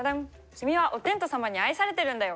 「君はおてんと様に愛されているんだよ」。